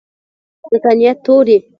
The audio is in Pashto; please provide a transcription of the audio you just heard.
د تانیث توري